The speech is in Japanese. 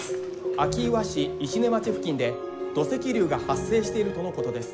明岩市石音町付近で土石流が発生しているとのことです。